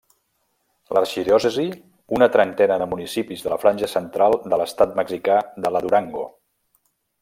L'arxidiòcesi una trentena de municipis de la franja central de l'estat mexicà de la Durango.